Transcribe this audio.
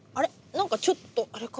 何かちょっとあれかな？